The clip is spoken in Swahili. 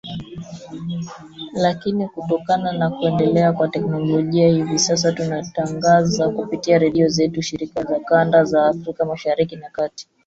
lakini kutokana na kuendelea kwa teknolojia hivi sasa tunatangaza kupitia redio zetu shirika za kanda ya Afrika Mashariki na Kati